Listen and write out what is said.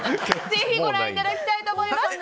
ぜひご覧いただきたいと思います。